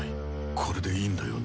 これでいいんだよな